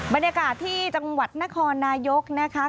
บรรยากาศที่จังหวัดนครนายกนะคะ